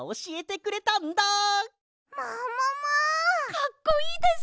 かっこいいです！